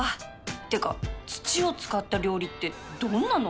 っていうか土を使った料理ってどんなの？